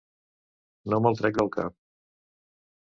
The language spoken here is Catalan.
No me'l trec del cap.